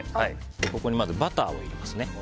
ここに、まずバターを入れます。